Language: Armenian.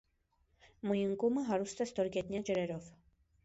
Մույունկումը հարուստ է ստորգետնյա ջրերով։